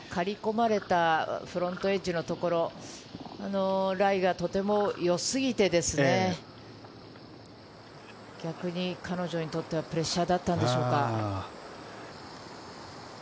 刈り込まれたフロントエッジのところ、ラインがとても良すぎて逆に彼女にとってはプレッシャーだったんでしょうか。